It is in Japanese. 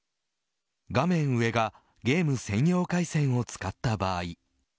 画面上がゲーム専用回線を使った場合。